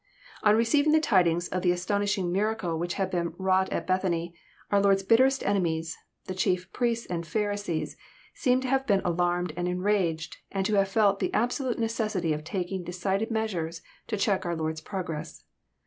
On re ceiving the tidings of the astounding miracle which had been wrought at Bethany, our Lord's bitterest enemies, the chief priests and Pharisees, seem to have been alarmed and enraged, and to have felt the absolute necessity of taking decided meas ures to check our Lord's progress.